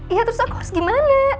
iya terus aku harus gimana